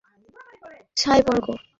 ওরা কি সাইবর্গ নাকি?